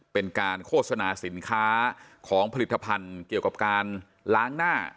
เป็นการโฆษณาสินค้าของผลิตภัณฑ์เกี่ยวกับการล้างหน้า